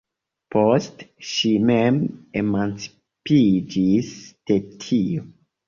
Poste ŝi mem emancipiĝis de tio.